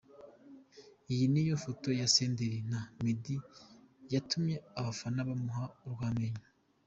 Iyi niyo foto ya Senderi na Meddy yatumye abafana bamuha urw’amenyo.